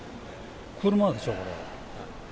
車でしょ、これ。